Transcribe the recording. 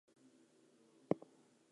We will create a brighter future for all.